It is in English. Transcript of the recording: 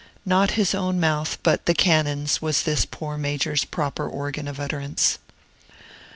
Not his own mouth, but the cannon's, was this poor Major's proper organ of utterance.